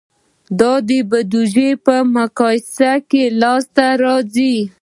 دا د بودیجې په مقایسه لاسته راځي.